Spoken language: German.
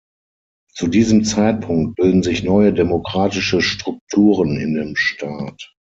Zu diesem Zeitpunkt bilden sich neue demokratische Strukturen in dem Staat.